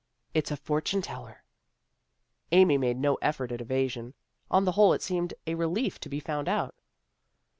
" It's a fortune teller." Amy made no effort at evasion. On the whole it seemed a relief to be found out.